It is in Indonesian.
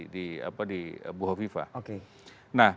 di bu kofifah